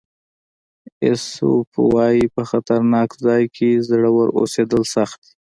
ایسوپ وایي په خطرناک ځای کې زړور اوسېدل سخت دي.